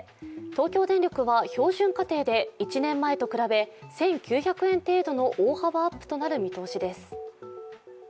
東京電力は標準家庭で１年前と比べ、１９００円程度の大幅アップとなる見通しです。